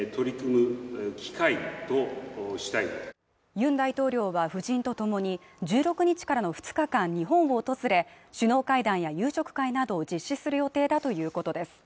ユン大統領は夫人とともに１６日からの２日間、日本を訪れ首脳会談や夕食会などを実施する予定だということです。